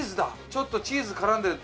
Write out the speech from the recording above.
ちょっとチーズ絡んで。